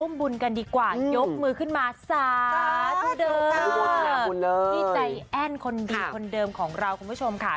พุ่มบุญกันดีกว่ายกมือขึ้นมาสาธุเดิร์พี่ใจแอ้นคนดีคนเดิมของเราคุณผู้ชมค่ะ